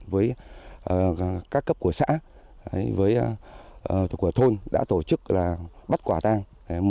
với các cấp của xã của thôn đã tổ chức là bắt quả tang